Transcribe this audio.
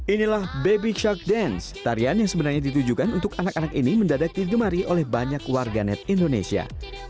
inilah baby charge dance tarian yang sebenarnya ditujukan untuk anak anak ini mendadak digemari oleh banyak warganet indonesia